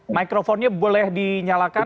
mikrofonnya boleh dinyalakan